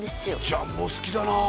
ジャンボ好きだなあ